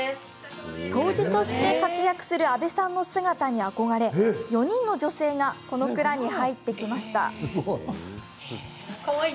杜氏として活躍する阿部さんの姿に憧れ４人の女性がこの蔵に入ってきました。